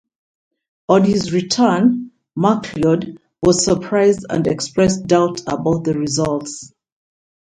On his return, Macleod was surprised and expressed doubt about the results.